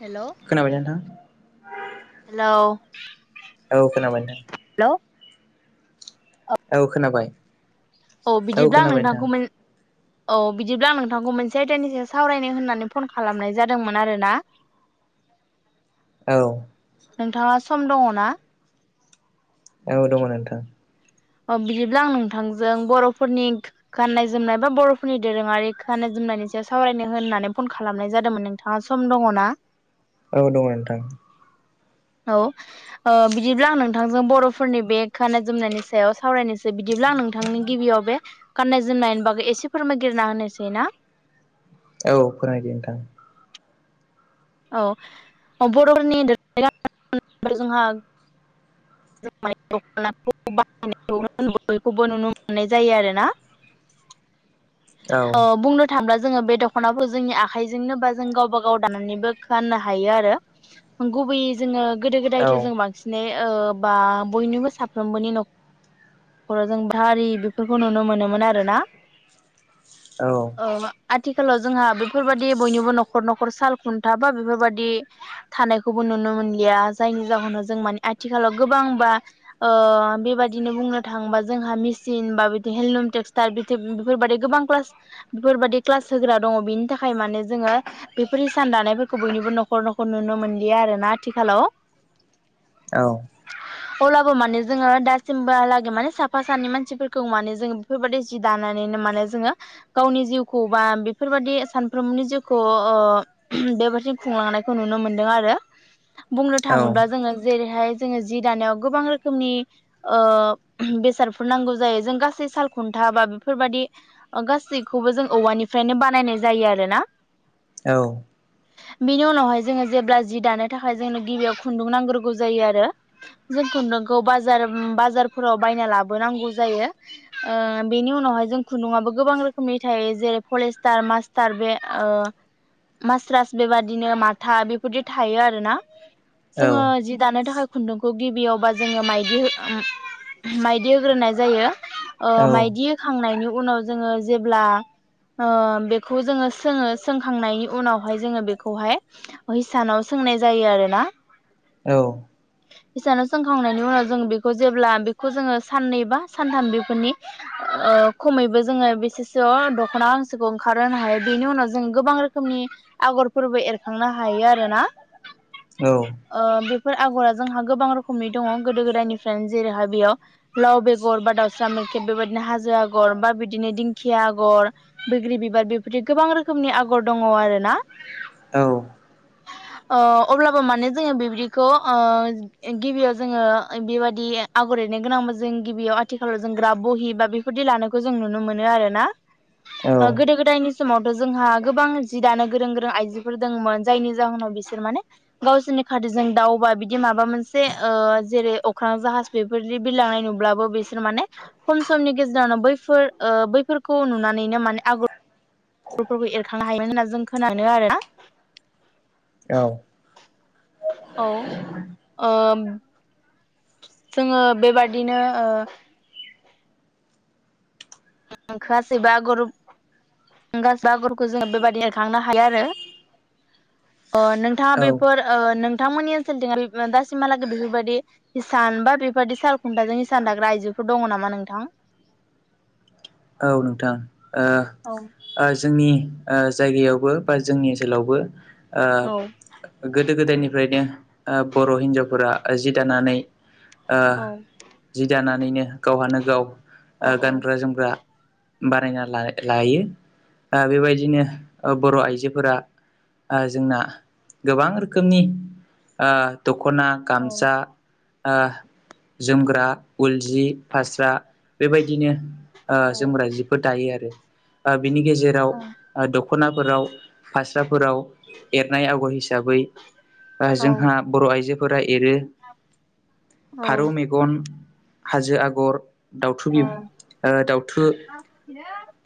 Hello खोनाबायना नोंथां hello औ खोनाबाय नोंथां। हेलौ औ खोनाबाय। औ बिदिब्ला आं खोनाबाय नोंथां नोंथांखौ मोन औ बिदिब्ला आं नोंथांखौ मोनसे आयदानि सायाव सावरायनो होननानै फन खालामनाय जादोंमोन आरोना। [inaudible] औ नोंथाङा सम दङ ना? ओ दङ नोंथां। अ बिदिब्ला आं नोंथांजों बर'फोरनि गाननाय जोमनाय बा बर'फोरनि दोरोङारि गाननाय जोमनाय जोमनायनि सायाव सावरायनो होननानै फन खालामनाय जादोंमोन नोंथाङा सम दङ ना? औ दङ नोंथां औ ओ बिदिब्ला आं नोंथांजों बर'फोरनि बे खाननाय जोमनायनि सायाव सावरायनोसै बिदिब्ला आं नोंथांनि गिबियाव बे गाननाय जोमनायनि बागै एसे फोरमागिरना होनोसै ना औ फोरमायदो नोंथां औ बर'फोरनि [unintelligible] जोंहा [unintelligible] दखनाखौ बाहायनाय बयखौबो नुनो मोननाय जायो आरोना औ ओ बुंनो थांब्ला जोङो बे दख'नाखौ जोंनि आखाइजोंनो बा जों गावबा गाव दानानैबो गाननो हायो आरो गु बैयै जोङो गोदो औ गोदायथ' जों बांसिनै बा बयनिबो साफ्रोमबोनि नखर [unintelligible] बेफोरखौ नुनो मोनोमोन आरोना औ आथि खालाव जोंहा बेफोरबादि बयनिबो नखर नखर सालखुन्था बा बेफोरबादि थानायखौबो नुनो मोनलिया जायनि जाहोनाव जों माने आथिखालाव गोबां बा ओ बेबादिनो बुंनो थाङोबा जोंहा मिसिन बा बिदि हलुम टेक्सटाइल बेफोरबायदि गोबां क्लास बेफोरबादि क्लास होग्रा दङ बेनि थाखाय माने जोङो बेफोर हि सान दानायफोरखौ बयनिबो नखर नखर नुनो मोनलिया आरोना आथिखालाव औ अब्लाबो माने जोङो दासिमबोहालागै माने साफा सानै मानसिफोरखौ माने जोङो बेफोरबायदि जि दानाय माने जोङो गावनि जिउखौ बा बेफोरबादि सानफ्रोमनि जिउखौ ओ बेबादि खुंलांनायखौ नुनो मोनदों आरो बुंनो औ थाङोबा जोङो जेरैहाय जोङो जि दानायाव गोबां रोखोमनि ओ बेसादफोर नांगौ जायो जों गासै सालखुन्था हाबा बेफोरबादि गासैखौबो जों औवानिफ्रायनो बानायनाय जायो आरोना औ बिनि उनावहाय जोङो जेब्ला जि दानो थाखाय जोंनो गिबियाव खुन्दुं नांग्रोगौ जायो आरो जोंखौ नोंगौ बाजार-बाजारफोराव बायना लाबोनांगौ जायो ओ बे नि उनावहाय जों खुन्दुंङाबो गोबां रोखोमनि थायो जेरै फलेस्टार मास्टार बे ओ मास्रास बेबादिनो माथा बेफोरदि थायो आरो ना औ जोङो जि दानो थाखाय खुन्दुंखौ गिबियावबा जोङो माइदि ओ माइदि होग्रोनाय जायो ओ माइदि होखांनायनि उनाव जोङो जेब्ला ओ बेखौ जोङो सोङो सोंखांनायनि उनावहाय जोङो बेखौहाय हैसानाव सों नाय जायो आरोना औ हिसानो सोंखांनायनि उनाव जों बेखौ जेब्ला बेखौ जोङो साननै बा सानथाम बेफोरनि ओ खमैबो जोङो बेसेसो दखना गांसोखौ ओंखारहोनो हायो बेनि उनाव जों गोबां रोखोमनि आगरफोरबो एरखांनो हायो आरोना औ औ ओ बेफोर आगरा जोंहा गोबां रोखोमनि दङ गोदो गोदायनिफ्रायनो जेरैहा बेयाव लाव बेगर बा दावस्रा मेख्रेब बेबायदिनो हाजो आगर बा बिदिनो दिंखिया आगर बैग्रि बिबार बेफोरदि गोबां रोखोमनि आगर दङ आरोना औ ओ अब्लाबो माने जोङो बिबदिखौ गिबियाव जोङो बेबायदि आगर एरनो गोनांबा जों गिबियाव आथिखालाव जों ग्राब बहि बा बेफोरदि लानायखौ जों नुनो मोनो आरोना ओ गोदो गोदायनि समावथ' जोंहा गोबां जि दानो गोरों गोरों आइजोफोर दंमोन जायनि जाहोनाव बिसोर माने गावसिनि [unintelligible] दाउबा बिदि माबा मोनसे ओ जेरै अख्राफोरजों बिलांनाय नुब्लाबो बिसोर माने खम समनि गेजेरावनो बैफोर ओ बैफोरखौ नुनानैनो माने आगर आगरफोरखौ एरखांनो हायोमोन होनना जों खोनानो आरो औ औ ओम जोङो बेबादिनो ओ [unintelligible] खोआसैबा गरुब गास आगरखौ जोङो बेबायदि एरखांनो हायो आरो। अ नोंथाङा औ बेफोर ओ नों थांमोननि ओनसोलथि दासिमहालागै बेफोरबायदि हिसान बा बेफोरबायाददि साल खुन्थाजों हिसान दाग्रा आइजो दङ नामा नोंथां? औ नोंथां औ ओ ओ जोंनि ओ जायगायावबो बा जोंनि ओनसोलावबो ओ औ गोदो गोदायनिफ्रायनो ओ बर' हिनजावफोरा जि दानानै औ जि दानानैनो गावहानो गाव ओ औ गानग्रा जोमग्रा बानायना ला लायो दा बेबायदिनो ओ बर आइजोफोरा आ जोंना गोबां रोखोमनि ओ द खना औ गमसा ओ जोमग्रा उल जि फास्रा बेबायदिनो ओ जोमग्रा जिफोर दायो आरो ओ बिनि गेजेराव औ ओ दख खनाफोराव फास्राफोराव एरनाय आगर हिस साबै दा औ जोंहा बर आइजोफोरा एरो औ फारौ मेगन हाजो आगर दाउथु बि ओ दाउथु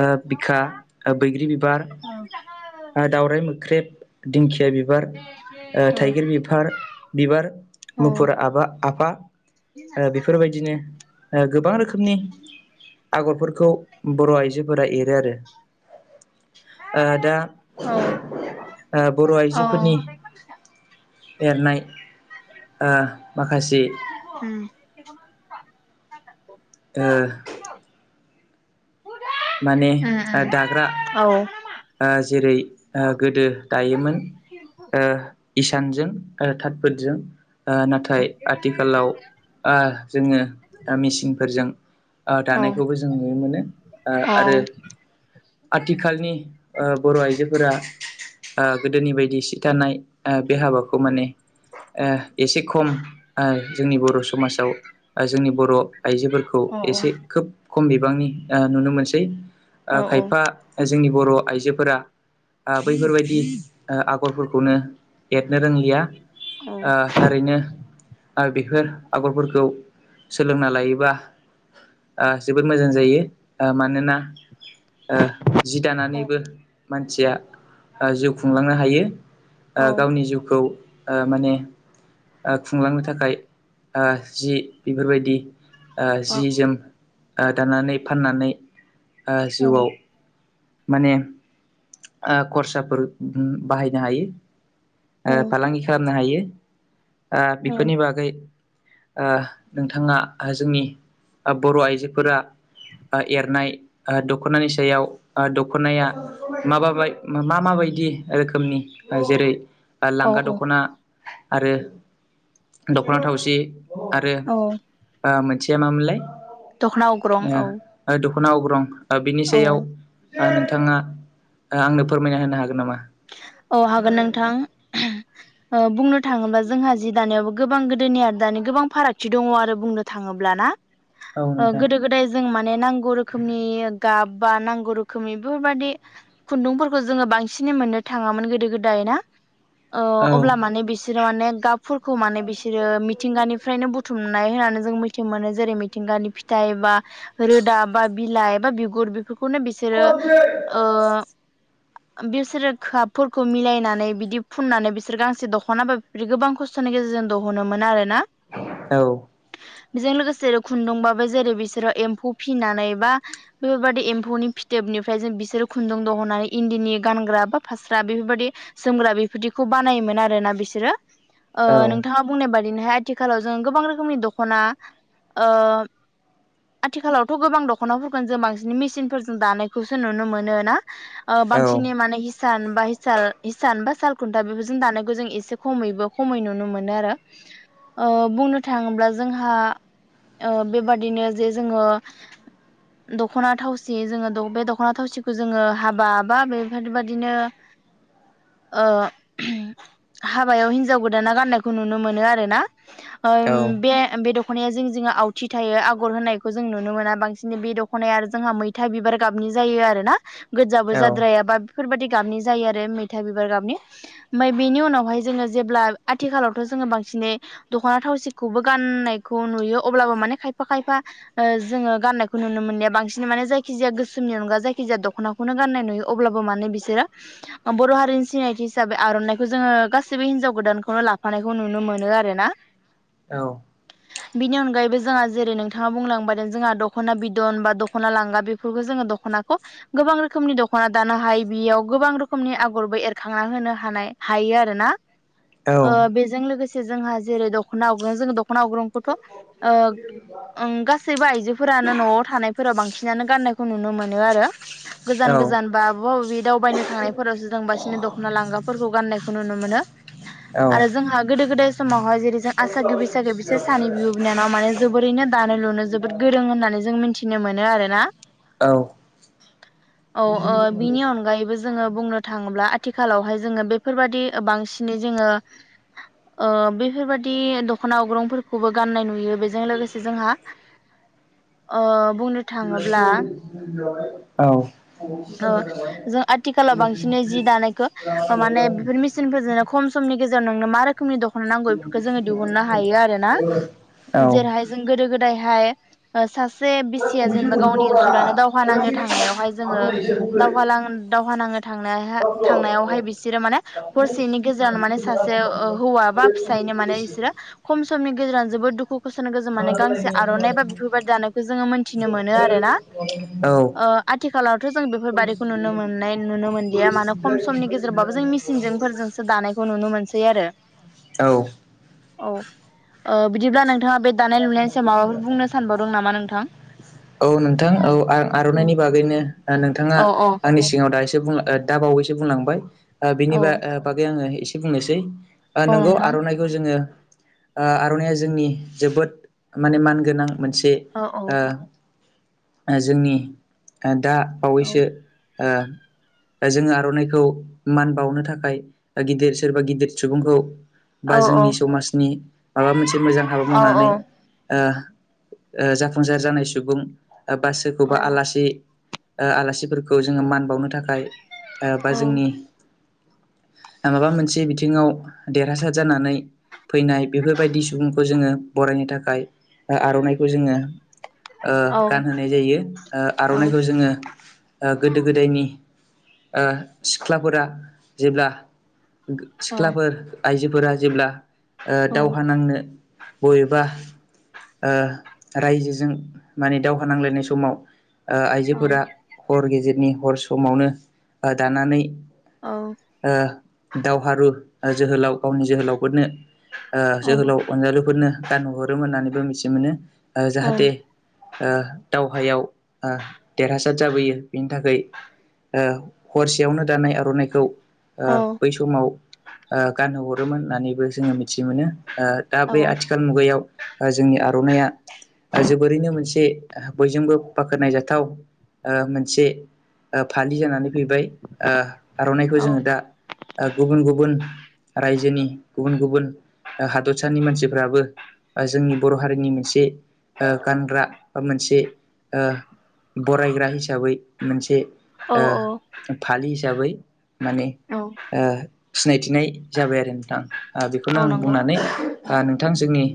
ओ बिखा ओ बैग्रि बिबार ओ दाउराय मोख्रेब दिंखिया बिबार थाइगिर बिभार बिबार मुफुर आबा आफा। ओ बेफोरबायदिनो ओ गोबां रोखोमनि आगरफोरखौ बर' आइजोफोरा एरो आरो। ओ दा ओ बर' औ आइजोफोरनि औ एरनाय ओ माखासे उम ओ माने आ दाग्रा आ जेरै ओ गोदो दायोमोन ओ इसानजों थात फोदजों ओ नाथाय आथिखालाव आ जोङो दा मिसिंफोरजों ओ दानायखौबो जों नुनो मोनो ओ आरो आथिखालनि ओ बर' आइजोफोरा ओ गोदोनि बायदि सि थानाय ओ बे हाबाखौ माने ओ एसे खम ओ जोंनि बर' समाजाव ओ जोंनि बर' आइजोफोरखौ एसे खोब खम बिबांनि ओ नुनो मोनसै। ओ खायफा जोंनि बर' आइजोफोरा आ बैफोरबायदि ओ आगरफोरखौनो एरनो रोंलिया। ओ थारैनो आ बेफोर आगरफोरखौ सोलोंना लायोबा आ जोबोद मोजां जायो। ओ मानोना ओ जि दानानैबो मानसिया ओ जिउ खुंलांनो हायो ओ गावनि जिउखौ ओ माने ओ खुंलांनो थाखाय ओ जि बेफोरबायदि ओ जि जोम ओ दानानै फाननानै ओ जिउआव माने आ खरसाफोर बाहायनो हायो। ओ फालांगि खालामनो हायो ओ बेफोरनि बागै नोंथाङा जोंनि बर' आइजोफोरा एरनाय दख'नानि सायाव दख'नाया माबा मा माबायदि रोखोमनि जेरै लांगा दख'ना आरो दख'ना थावसि आरो मोनसेया मामोनलाय? दखना ओ अग्रं औ। दखना अग्रं बिनि औ सायाव नोंथाङा आंनो फोरमायना होनो हागोन नामा? औ हागोन नोंथां ओ बुंनो थाङोबा जोंहा जि दानायाव गोबां गोदोनि आरो दानि गोबां फारागथि दङ आरो बुंनो थाङोब्लाना। औ नोंथां गोदो गोदाय जों माने नांगौ रोखोमनि गाब बा नांगौ रोखोमनि बेफोरबायाददि खुन्दुंफोरखौ जोङो बांसिनै मोनो। थाङामोन गोदो गोदाय ना ओ औ अब्ला माने बिसोरो माने गाबफोरखौ माने बिसोर बिसोरो मिथिंगानिफ्रायनो बुथुम बुथुमनाय होननानै जों मिथि मोनो जेरै मिथिंगानि फिथाइ बा रोदा बा बिलाइ एबा बिगुर फोरखौनो बिसोरो बिसोरो गाबफोरखौ मिलायनानै बिदि फुननानै बिसोर गांसे दख'नााबा बि गोबां खस्थ'नि गेजेरजों दह'नोमोन आर ना। औ बेजों लोगोसे खुन्दुंबाबो जेरै बिसोरो एम्फौ फिसिनानै बा बेफोरबादि एम्फौनि फिथोबनिफ्राय जों बिसोर खुन्दुं दहनानै इन्दिनि गानग्रा फास्रा बेफोरबायदि जोमग्रा बेफोरदिखौ बानायोमोन आरोना बिसोरो औ नोंथाङा बुंनाय बायदि हाय आथिखालाव जों गोबां रोखोमनि दख'ना ओ आथिखालावथ' गोबां दख'नाफोरखौनो जों बांसिन मेसिनफोरजों दानायखौसो नुनो मोनो ना। औ बांसिनै माने हिसान बा साल खुन्था बेफोरजों दानायखौ जों एसे खमैबो खमै नुनो मोनो आरो। ओ बुंनो थाङोब्ला जोंहा ओ बेबादिनो जे जोङो दख'ना थावसि जोङो बे दख'ना थावसिखौ जोङो हाबा बा बेफोरबा दिनो ओ हाबायाव हिन्जाव गोदाना गाननायखौ नुनो मोनो आरो ना। औ ओम बे बे द ख'नाया जों जोंहा आवथि थायो आगर होनायखौ जों नुनो मोना बांसिन बे दख'नाया आरो जोंहा मैथा बिबार गाबनि जायो आरोना गोजाबो जाद्राया बा बेफोरबायदि गाबनि जायो आरो मैथा बिबार गाबनि ओमफ्राय बेनि उनावहाय जोङो जेब्ला आथिखालावथ' जों जोङो दख'ना थावसिखौबो गनायखौ नु अब्लाबो माने खायफा खाय जोङो गाननायखौ नु मोननाया बांसिन माने जायखिजाया गोसोमनि अनगा जायखि जाया दख'नाखौनो गाननाय नुयो अब्ला माने बिसोरो बर' हारिनि सिनायथि हिसाबै आर'नाइखौ जोङो गासैबो हिनजाव गोदानखौनो लाफानाय नुनो मोनो आरोना। औ बिनि अनगायैबो जोंहा जेरै नोंथाङा बुंलांबाय जोंहा दख'ना बिदन बा दख'ना लांगा बेफोरखौ जोङो दख'नाखौ गोबां रोखोमनि दख'ना दानो हायो बेयाव गोबां रोखोमनि आगरबो एरखांना होनो हानाय हायो आरो ना। औ ओ बेजों लोगोसे जोंहा जेरै दख'ना आग्रं जों दख'ना आग्रंखौथ' ओ ओम गासैबो आइजोफोरानो न'आव थानायफोराव बांसिनानो गाननाय खौ नुनो मोनो आरो गोजान गोजान बा बबा बबे दावबायनो थांनायफोरावसो जों बासिनो दख'ना लांगाफोरखौ गाननायखौ नुनो मोनो। आरो जोंहा गोदो गोदाय समावहाय जेरै जों आसागि बैसागो बिसोर सानै बिब' बिनानाव माने जोबोरैनो दानो लुनो जोबोद गोरों होननानै जों मिथि नो मोनो आरो ना। औ औ ओ बिनि अनगायैबो जोङो बुंनो थाङोब्ला आथिखालावहाय जोङो बेफोरबायाददि बांसिनै जोङो ओ बेफोरबादि दख'ना आग्रंफोरखौबो गाननाय नुयो बेजों लोगोसे जोंहा ओ बुंनो थाङोब्ला औ। औ जों आथिखालाव बांसिनै जि दानायखौ माने बेफोर मेसिनफोरजोंनो खम समनि गेजे गेजेनजोंनो [unintelligible] मारै रोखोमनि दख'ना नांगौ बेफोरखौ जोङो दिहुननो हायो आरो ना जेरैहाय जों गोदो गोदायहाय सासे बिसिया जेनेबा गावनि ओनसुरानो दावहा नांनो थांनायावहाय जोङो दावहालां दावहा नाङो थांनाय थांनायावहाय बिसोरो माने हरसेनि गेजेरावनो माने ससे हौवा बा फिसायनो माने बिसोर खम समनि गेजेराव जोबबो दुखु गसनो गोजौनाय गांसे आर'नाइ बा बेफोरबायदि दानायखौ जोङो मोनथिनो मोनो आरोना। आथिखालाव थ' जों बेफोरबायदिखौ नुनो मोन नुनो मोनलिया मानो खम समनि गेजेरबाबो जों मिसिनजोंफोरजोंसो दानायखौ नुनो मोनसै आरो। औ औ ओ बिदिब्ला नोंथाङा बे दानाय लुनायनिसायाव माबाफोर बुंनो सानबावदों नामा नोंथां? औ नोंथां औ आं औ आर'नाइनि बागैनो नोंथाङा औ आंनि सिगाङाव दा एसे दा बावैसो बुंलांबाय। औ बिनि बा बागै आङो एसे बुंनोसै औ नोंगौ नोंथां आर'नाइखौ जोङो आर'नाइया जोंनि जोबोद माने मानगोनां। मोनसे औ औ ओ जोंनि दा औ बावैसो ओ जोङो आर'नाइखौ मान बावनो थाखाय गिदिर सोरबा गिदिर सुबुंखौ औ बा औ जोंनि समाजनि माबा मोनसे मोजां हाबा औ मावनानै जाफुंसार जानाय सुबुं बा औ सोरखौबा आलासि आलासिफोरखौ जोङो मान बावनो थाखाय बा औ जोंनि माबा मोनसे बिथिङाव देरहासार जानानै फैनाय बेफोरबायदि सुबुंखौ जोङो बरायनो थाखाय आर'नाइखौ जोङो ओ गानहोनाय जायो आर'नाइखौ जोङो गोदो गोदायनि ओ सिख्लाफोरा जेब्ला सिख्लाफोर आइजोफोरा जेब्ला ओ दावहा नांनो बबेबा ओ रायजोजों माने दावहा नांलायनाय समाव आइजोफोरा हर गेजेरनि हर समावनो दानानै औ ओ दावहारु जोहोलाव गावनि जोहोलावफोरनो जोहोलाव अनजालु नो गानहो हरोम होननानैबो मिथि मोनो जाहाथे ओ दावहायाव देरहासार जाबोयो बेनि थाखाय ओ हरसेयावनो दानाय आर'नाइखौ बै समाव गानहो हरोमोन होननानैबो जोङो मिथि मोनो। दा बे आथिखाल मुगायाव जोंनि आर'नाइया जोबोरैनो मोनसे बयजोंबो बाख्नायजाथाव मोनसे फालि जानानै फैबाय ओ औ आर'नाइखौ जोङो दा गुबुन गुबुन रायजोनि गुबुन गुबुन हादरसानि मानसिफ्राबो जोंनि बर' हारिनि मोनसे ओ गानग्रा बा मोनसे ओ बरायग्रा हिसाबै मोनसे ओ फालि हिसाबै माने औ सिनायथिनाय जाबाय आरो नोंथां बेखौनो औ आं नंगौ बुंनानै नोंथां जोंनि